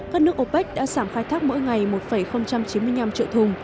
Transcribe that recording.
các nước opec đã giảm khai thác mỗi ngày một chín mươi năm triệu thùng